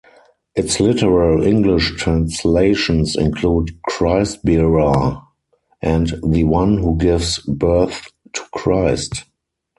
Its literal English translations include "Christ-bearer" and "the one who gives birth to Christ".